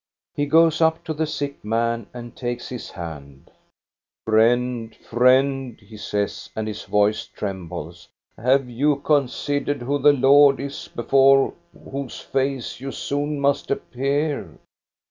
He goes up to the sick man and takes his hand. " Friend, friend," he says, and his voice trembles, " have you considered who the Lord is before whose face you soon must appear?